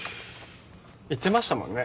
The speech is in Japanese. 言ってましたもんね。